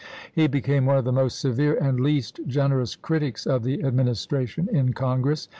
He became one of the most severe and least generous critics of the Administration in Congress.